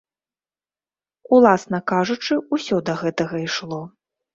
Уласна кажучы, усё да гэтага ішло.